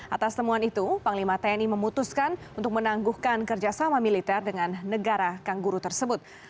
atas temuan itu panglima tni memutuskan untuk menangguhkan kerjasama militer dengan negara kangguru tersebut